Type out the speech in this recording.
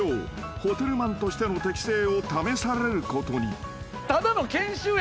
［ホテルマンとしての適性を試されることに］